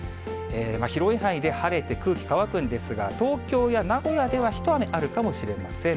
広い範囲で晴れて、空気乾くんですが、東京や名古屋では一雨あるかもしれません。